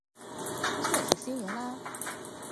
出嚟食宵夜啦